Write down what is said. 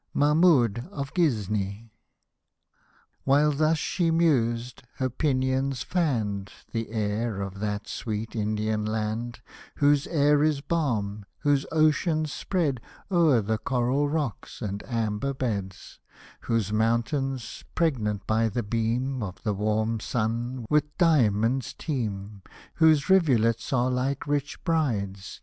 MAHMOUD OF GHIZNI While thus she mused, her pinions fanned The air of that sweet Indian land, Whose air is balm ; whose ocean spreads O'er coral rocks, and amber beds ; Whose mountains, pregnant by the beam Of the warm sun, with diamonds teem ; Whose rivulets are like rich brides.